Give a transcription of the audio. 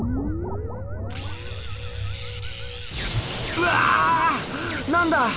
うわ！何だ！